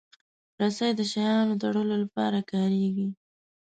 رسۍ د شیانو تړلو لپاره کارېږي.